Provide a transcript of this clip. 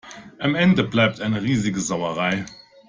Am Ende bleibt eine riesige Sauerei.